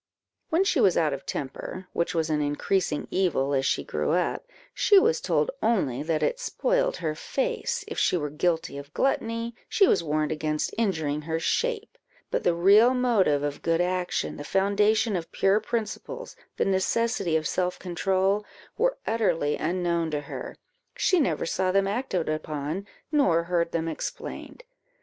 When she was out of temper, which was an increasing evil as she grew up, she was told only that it "spoiled her face;" if she were guilty of gluttony, she was warned against injuring her shape; but the real motive of good action, the foundation of pure principles, the necessity of self control, were utterly unknown to her; she never saw them acted upon, nor heard them explained.